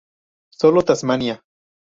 Solo Tasmania.